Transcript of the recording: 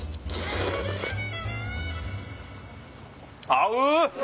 合う！